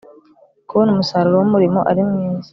kubona umusaruro wumurimo arimwiza